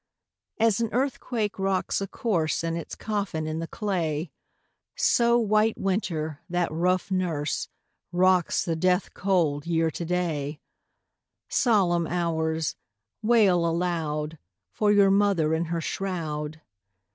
2. As an earthquake rocks a corse In its coffin in the clay, So White Winter, that rough nurse, Rocks the death cold Year to day; _10 Solemn Hours! wail aloud For your mother in her shroud.